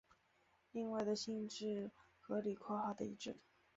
另外的性质和李括号的一致。